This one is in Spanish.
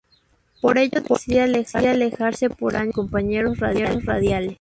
Por ello decide alejarse por años de sus compañeros radiales.